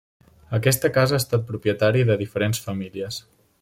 Aquesta casa ha estat propietari de diferents famílies.